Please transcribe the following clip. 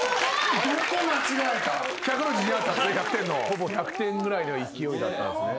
ほぼ１００点ぐらいの勢いだったんですね。